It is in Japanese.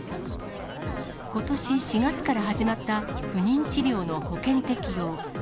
ことし４月から始まった不妊治療の保険適用。